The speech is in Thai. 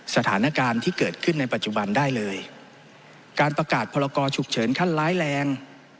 สถานการณ์ที่เกิดขึ้นในปัจจุบันได้เลยการประกาศพรกรฉุกเฉินขั้นร้ายแรง